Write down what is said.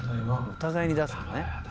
「お互いに出すんだね」